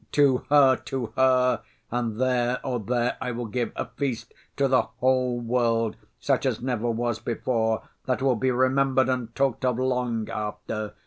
'To her, to her! and there, oh, there I will give a feast to the whole world, such as never was before, that will be remembered and talked of long after!